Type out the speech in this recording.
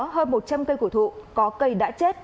hơn một trăm linh cây cổ thụ có cây đã chết